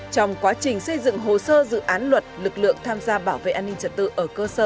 trong quá trình xây dựng hồ sơ dự án luật lực lượng tham gia bảo vệ an ninh trật tự ở cơ sở